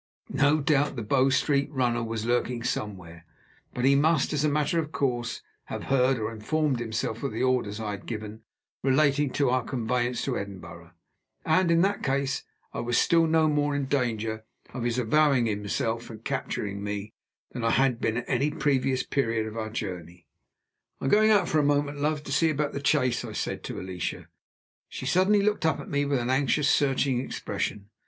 No doubt the Bow Street runner was lurking somewhere; but he must, as a matter of course, have heard, or informed himself, of the orders I had given relating to our conveyance on to Edinburgh; and, in that case, I was still no more in danger of his avowing himself and capturing me, than I had been at any previous period of our journey. "I am going out for a moment, love, to see about the chaise," I said to Alicia. She suddenly looked up at me with an anxious searching expression.